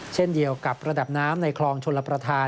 เช่นเดียวกับระดับน้ำในคลองชลประธาน